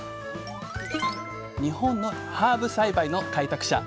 日本のハーブ栽培の開拓者！